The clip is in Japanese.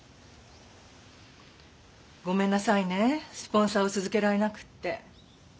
ごめんなさいねスポンサーを続けられなくって。